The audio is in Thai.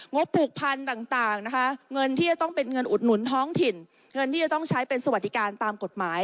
บผูกพันธุ์ต่างนะคะเงินที่จะต้องเป็นเงินอุดหนุนท้องถิ่นเงินที่จะต้องใช้เป็นสวัสดิการตามกฎหมาย